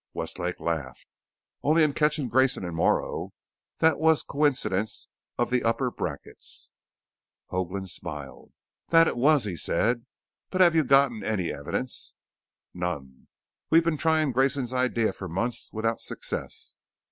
Westlake laughed. "Only in catching Grayson and Morrow. That was coincidence of the upper brackets." Hoagland smiled. "That it was," he said. "But have you gotten any evidence?" "None. We'd been trying Grayson's idea for months without success.